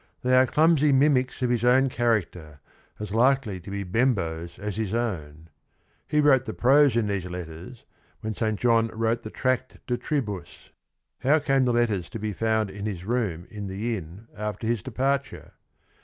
They are clumsy mimics of his own character, as likely to be Bembo's as his own. He wrote the prose in these letters when St. John wrote the "tract De Tribus." How came the letters to be found in his room in the inn after his departure?